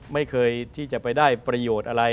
ไม่เคยที่จะไปได้ประโยชน์อะไร